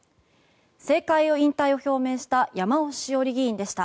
政界引退を表明した山尾志桜里議員でした。